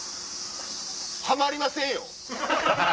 ハマりませんよ？